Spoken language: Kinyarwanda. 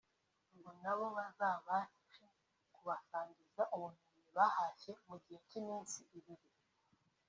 ngo nabo bazabashe kubasangiza ubumenyi bahashye mu gihe cy’iminsi ibiri